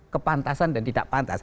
kepantasan dan tidak pantas